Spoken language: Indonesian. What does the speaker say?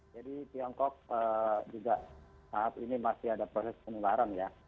jadi tiongkok juga saat ini masih ada proses penularan ya